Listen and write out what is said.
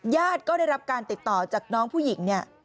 ญาติก็ได้รับการติดต่อจากน้องผู้หญิงเนี่ย